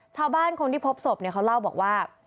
ชาวบ้านคนที่พบศพเนี่ยเขาเล่าบอกว่า